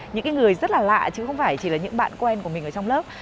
những người rất là lạ chứ không phải chỉ là những bạn quen của mình ở trong lớp